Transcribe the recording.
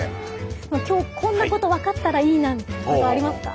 まあ今日こんなこと分かったらいいなみたいなの何かありますか？